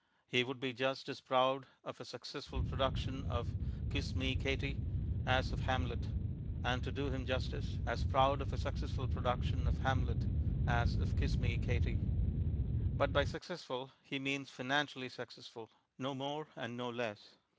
He would be just as proud of a successful production of Kiss Me, Katie, as of Hamlet; and, to do him justice, as proud of a successful production of Hamlet, as of Kiss Me, Katie. But by "successful" he means "financially successful"; no more and no less.